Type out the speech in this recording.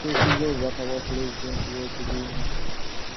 Yatuusizza obubaka bwa Pulezidenti w’ekibiina.